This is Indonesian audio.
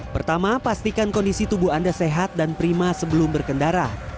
pertama pastikan kondisi tubuh anda sehat dan prima sebelum berkendara